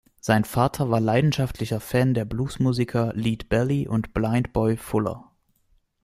Sein Vater war leidenschaftlicher Fan der Blues-Musiker Leadbelly und Blind Boy Fuller.